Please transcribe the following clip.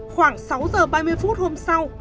khoảng sáu giờ ba mươi phút hôm sau